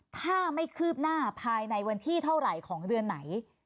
ถ้าไม่คืบหน้าภายในวันที่เท่าไหร่ของเดือนไหน